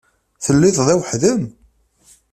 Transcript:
Telliḍ da weḥd-m?